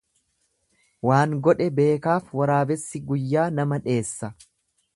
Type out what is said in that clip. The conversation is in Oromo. Waan godhe beekaaf waraabessi guyyaa nama dheessa.